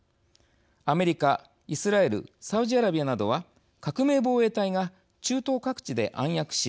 アメリカ、イスラエルサウジアラビアなどは革命防衛隊が中東各地で暗躍し